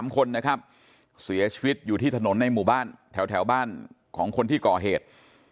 ๓คนนะครับเสียชีวิตอยู่ที่ถนนในหมู่บ้านแถวบ้านของคนที่ก่อเหตุ